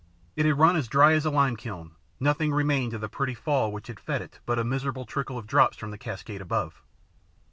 It had run as dry as a limekiln; nothing remained of the pretty fall which had fed it but a miserable trickle of drops from the cascade above.